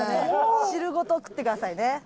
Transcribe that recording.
汁ごと食ってくださいね。